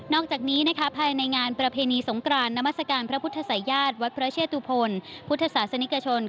อกจากนี้นะคะภายในงานประเพณีสงกรานนามัศกาลพระพุทธศัยญาติวัดพระเชตุพลพุทธศาสนิกชน